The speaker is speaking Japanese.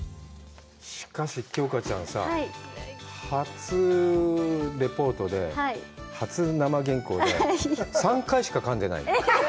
しかし、京香ちゃんさ、初レポートで、初生原稿で、３回しかかんでない。